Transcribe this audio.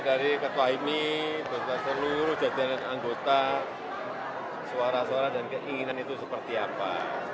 dari ketua ini dari seluruh jajanan anggota suara suara dan keinginan itu seperti apa